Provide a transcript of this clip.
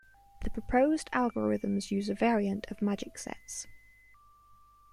The proposed algorithms use a variant of magic sets.